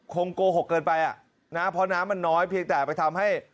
โกหกเกินไปอ่ะนะเพราะน้ำมันน้อยเพียงแต่ไปทำให้